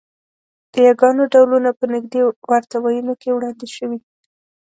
د یاګانو ډولونه په نږدې ورته وییونو کې وړاندې شوي